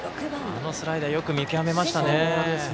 あのスライダーよく見極めましたね。